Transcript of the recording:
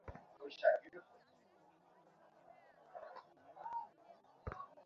উত্তর দক্ষিণ রেলপথ টি দেশের উত্তর ও দক্ষিণ অংশের মধ্যে পণ্য পরিবহন করে থাকে।